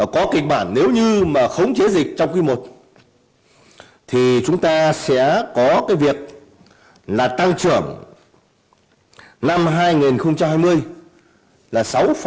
có kịch bản nếu như mà khống chế dịch trong quý i thì chúng ta sẽ có cái việc là tăng trưởng năm hai nghìn hai mươi là sáu tám